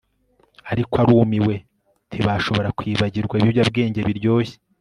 ariko arumiwe ntibashobora kwibagirwa ibiyobyabwenge biryoshye